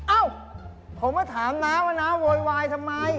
เอ้าผมมาถามน้าว่าน้าโวยวายทำไม